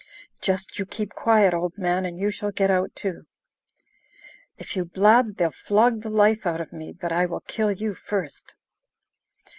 "Just you keep quiet, old man, and you shall get out too. If you blab, they'll flog the life out of me, but I will kill you first."